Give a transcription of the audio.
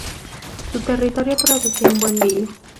Su territorio producía un buen vino.